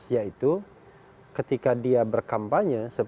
yaitu ketika dia berkampanye